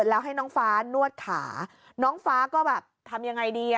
แล้วให้น้องฟ้านวดขาน้องฟ้าก็แบบทำยังไงดีอ่ะ